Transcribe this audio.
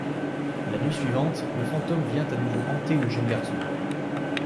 La nuit suivante, le fantôme vient à nouveau hanter le jeune garçon.